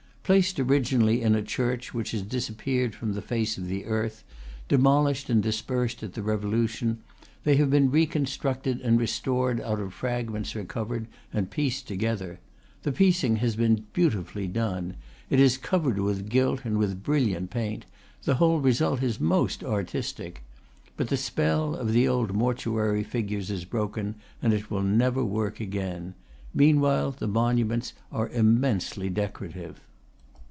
Placed originally in a church which has disappeared from the face of the earth, demolished and dispersed at the Revolution, they have been reconstructed and restored out of fragments recovered and pieced to gether. The piecing his been beautifully done; it is covered with gilt and with brilliant paint; the whole result is most artistic. But the spell of the old mor tuary figures is broken, and it will never work again. Meanwhile the monuments are immensely decorative.